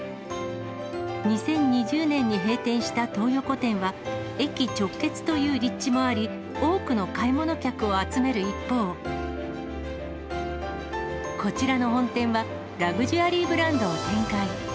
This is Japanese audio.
２０２０年に閉店した東横店は、駅直結という立地もあり、多くの買い物客を集める一方、こちらの本店は、ラグジュアリーブランドを展開。